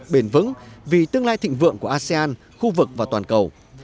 bền vững vì tương lai thịnh vượng của asean khu vực và toàn cầu